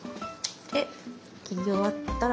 で切り終わったら。